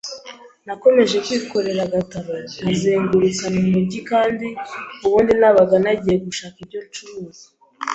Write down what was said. Nakomeje kwikorera agataro, nkazengurukana umujyi kandi ubwo nabaga nagiye gushaka ibyo ncuruza